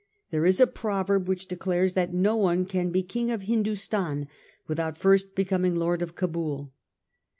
There is a proverb which declares that no one can be king of Hindostan without first becoming lord of Cabul.